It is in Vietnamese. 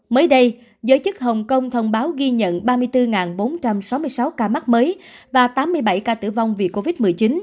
mới đây giới chức hồng kông thông báo ghi nhận ba mươi bốn bốn trăm sáu mươi sáu ca mắc mới và tám mươi bảy ca tử vong vì covid một mươi chín